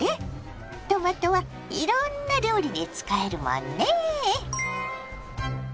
トマトはいろんな料理に使えるもんね。